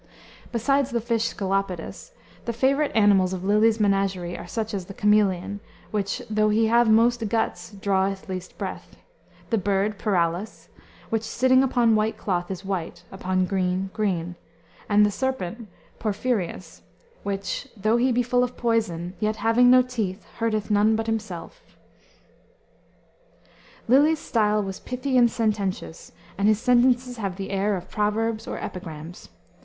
Besides the fish Scolopidus, the favorite animals of Lyly's menagerie are such as the chameleon, which, "though he have most guts draweth least breath;" the bird Piralis, "which sitting upon white cloth is white, upon green, green;" and the serpent Porphirius, which, "though he be full of poison, yet having no teeth, hurteth none but himself." Lyly's style was pithy and sententious, and his sentences have the air of proverbs or epigrams.